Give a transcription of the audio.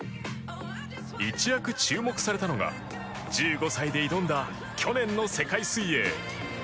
一躍注目されたのが１５歳で挑んだ去年の世界水泳。